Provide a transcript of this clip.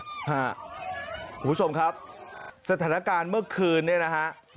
คุณผู้ชมครับสถานการณ์เมื่อคืนเนี่ยนะฮะ